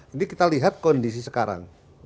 ini kita lihat kondisi sekarang